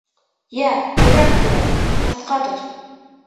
— Йә, тиҙерәк һөйлә, ҡыҫҡа тот.